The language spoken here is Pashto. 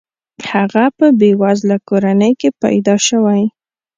هغه په بې وزله کورنۍ کې پیدا شوی.